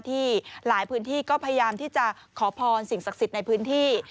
ที่หลายพื้นที่ก็พยายามที่จะขอพรสิ่งศักดิ์สิทธิ์ในพื้นที่